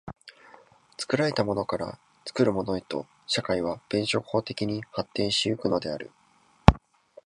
作られたものから作るものへと、社会は弁証法的に進展し行くのである。